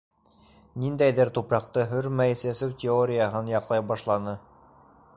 Ниндәйҙер тупраҡты һөрмәй сәсеү теорияһын яҡлай башланы.